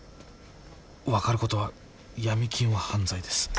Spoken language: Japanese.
分かることは闇金は犯罪です。